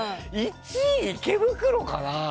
１位、池袋かな？